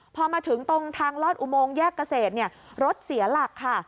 พอมาถึงตรงทางลอดอุโมงแยกเกษตรรถเสียหลักค่ะ